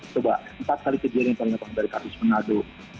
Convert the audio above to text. coba empat kali kejadian yang paling datang dari kasus manado